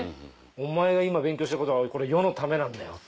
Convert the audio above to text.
お前が今勉強してることはこれ世のためなんだよ。